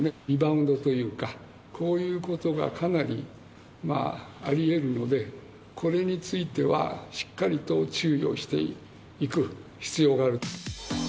リバウンドというか、こういうことがかなりまあありえるので、これについてはしっかりと注意をしていく必要がある。